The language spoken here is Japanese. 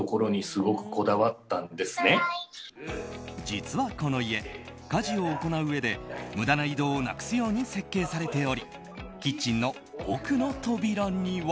実はこの家、家事を行ううえで無駄な移動をなくすように設計されておりキッチンの奥の扉には。